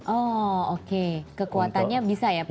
oh oke kekuatannya bisa ya pak